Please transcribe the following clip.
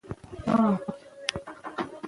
لیکوال دا مسؤلیت په پوره توګه ادا کړی.